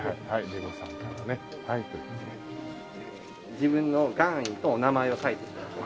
自分の願意とお名前を書いて頂いて。